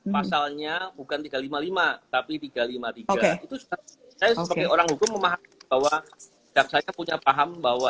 pasalnya bukan tiga ratus lima puluh lima tapi tiga ratus lima puluh tiga itu saya sebagai orang hukum memahami bahwa jaksanya punya paham bahwa